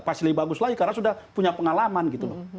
pasti lebih bagus lagi karena sudah punya pengalaman gitu loh